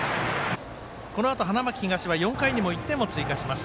このあと花巻東は４回にも１点を追加します。